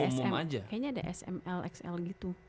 ada sm kayaknya ada smlxl gitu